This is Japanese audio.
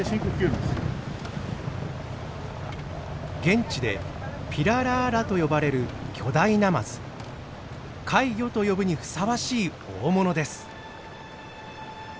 現地でピララーラと呼ばれる巨大ナマズ。怪魚と呼ぶにふさわしい大物です。